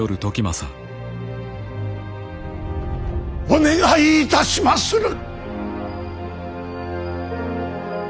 お願いいたしまする！